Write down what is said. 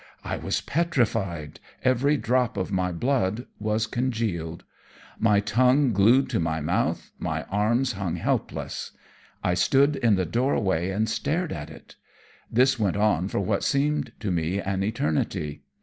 I was petrified every drop of my blood was congealed. My tongue glued to my mouth, my arms hung helpless. I stood in the doorway and stared at it. This went on for what seemed to me an eternity.